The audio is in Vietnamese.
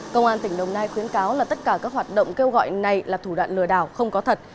công an tỉnh đồng nai khuyến cáo là tất cả các hoạt động kêu gọi này là thủ đoạn lừa đảo không có thật